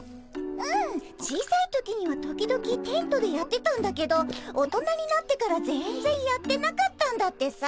うん小さい時には時々テントでやってたんだけど大人になってから全然やってなかったんだってさ。